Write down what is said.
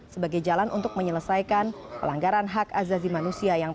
sebagai jalan untuk menyelesaikan pelanggaran